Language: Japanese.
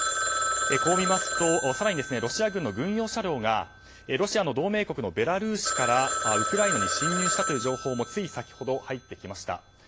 こう見ますと更にロシア軍の軍用車両がロシアの同盟国のベラルーシからウクライナに侵入したという情報もつい先ほど入ってきました。